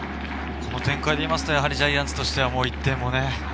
この展開だとジャイアンツとしては１点をね。